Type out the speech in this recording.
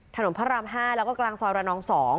ถนนพระราม๕แล้วก็กลางซอยระนอง๒